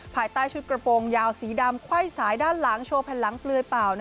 ภายใต้ชุดกระโปรงยาวสีดำไขว้สายด้านหลังโชว์แผ่นหลังเปลือยเปล่า